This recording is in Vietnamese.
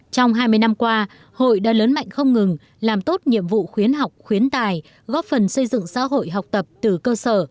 trong hai mươi năm qua hội đã lớn mạnh không ngừng làm tốt nhiệm vụ khuyến học khuyến tài góp phần xây dựng xã hội học tập từ cơ sở